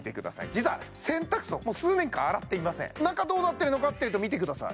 実は洗濯槽数年間洗っていません中どうなってるのかっていうと見てください